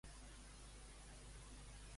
Quin càrrec tenia a Knockgraffan?